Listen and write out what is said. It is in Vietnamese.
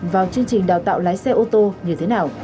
vào chương trình đào tạo lái xe ô tô như thế nào